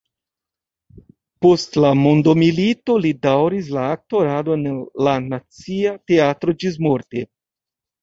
Post la mondomilito li daŭris la aktoradon en la Nacia Teatro ĝismorte.